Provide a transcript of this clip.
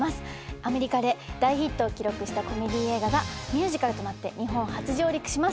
アメリカで大ヒットを記録したコメディー映画がミュージカルとなって日本初上陸します。